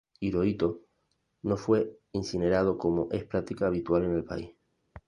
Hirohito no fue incinerado como es práctica habitual en el país.